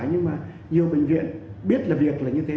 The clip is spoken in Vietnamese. nhưng mà nhiều bệnh viện biết là việc là như thế